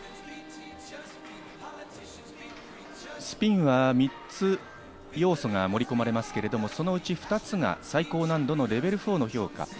スピンは３つ要素が盛り込まれますけれど、そのうち２つが最高難度のレベル４の評価。